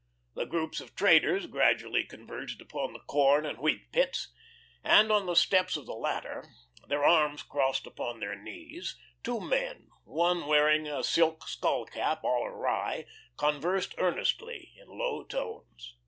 The groups of traders gradually converged upon the corn and wheat pits, and on the steps of the latter, their arms crossed upon their knees, two men, one wearing a silk skull cap all awry, conversed earnestly in low tones.